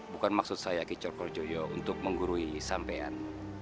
bukan maksud saya kicokrojoyo untuk menggurui sampean